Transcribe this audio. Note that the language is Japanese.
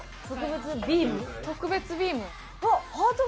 特別ビーム。